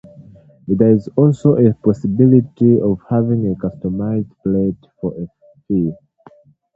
There is also a possibility of having a customized plate for a fee.